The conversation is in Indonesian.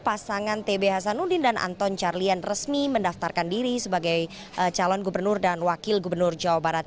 pasangan tb hasanuddin dan anton carlian resmi mendaftarkan diri sebagai calon gubernur dan wakil gubernur jawa barat